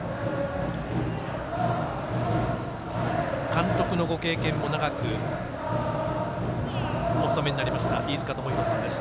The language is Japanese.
監督のご経験も長くお務めになりました飯塚智広さんです。